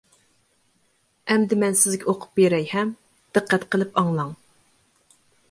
ئەمدى مەن سىزگە ئوقۇپ بېرەي، ھە، دىققەت قىلىپ ئاڭلاڭ.